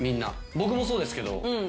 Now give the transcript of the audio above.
僕もそうですけど。